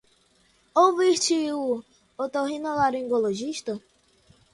Ouviste o oftalmotorrinolaringologista?